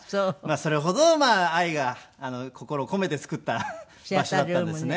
それほどまあ愛が心を込めて作った場所だったんですね。